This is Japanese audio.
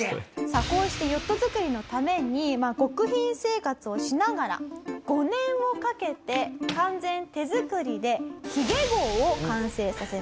こうしてヨット作りのために極貧生活をしながら５年をかけて完全手作りで髭号を完成させました。